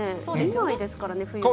見ないですからね、冬は。